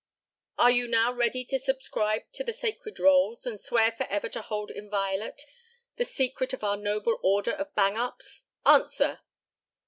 Are ye now ready to subscribe to the sacred rolls, and swear forever to hold inviolate the secret of our noble order of Bang Ups? Answer!"